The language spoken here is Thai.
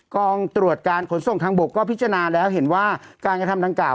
กองตรวจการขนส่งทางบกก็พิจารณาแล้วเห็นว่าการกระทำดังกล่า